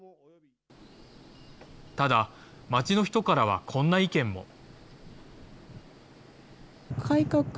ただ、町の人からはこんな意見も。